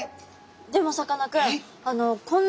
でもさかなクン